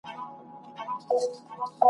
هم مو ځان هم مو ټبر دی په وژلی ,